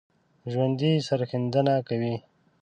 ژوندي سرښندنه کوي